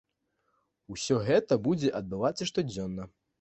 Усё гэта будзе адбывацца штодзённа.